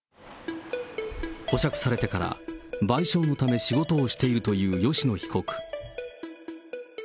保釈されてから、賠償のため仕事をしているという吉野被告。